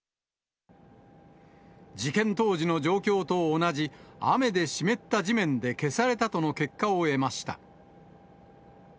事件当時の状況と同じ雨で湿った地面で消されたとの結果を得ました。